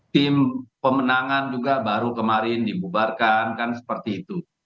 tim pemenangan juga baru kemarin dibubarkan kan seperti itu